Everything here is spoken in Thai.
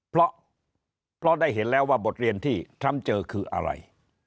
เพราะได้เห็นแล้วว่าบทเรียนที่ทรัมป์เจอคืออะไร